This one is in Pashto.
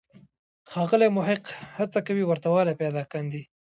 ښاغلی محق هڅه کوي ورته والی پیدا کاندي.